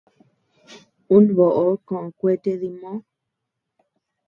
Un boʼo koʼö kuete dimoo.